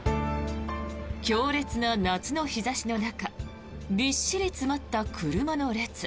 強烈な夏の日差しの中びっしり詰まった車の列。